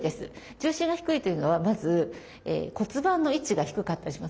重心が低いというのはまず骨盤の位置が低かったりします。